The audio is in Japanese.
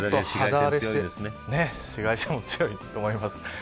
紫外線も強いと思います。